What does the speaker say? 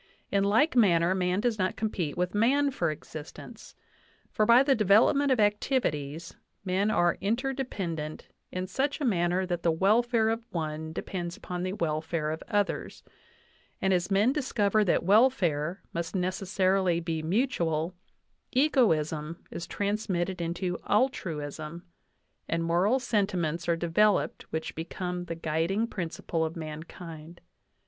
In like manner, man does not compete with man for existence; for, by the development of activities, men are interdependent in such a manner that the welfare of one depends upon the welfare of others; and as men discover that welfare must necessarily be mutual, egoism is transmitted into altruism, and moral sentiments are developed which become the guiding principle of mankind.